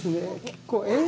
結構。